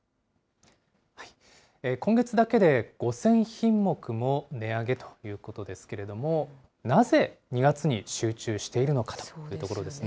今月だけで５０００品目も値上げということですけれども、なぜ、２月に集中しているのかというところですね。